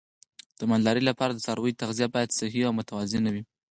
د مالدارۍ لپاره د څارویو تغذیه باید صحي او متوازنه وي.